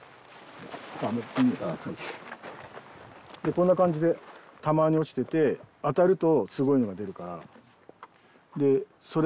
こんな感じでたまに落ちてて当たるとすごいのが出るから。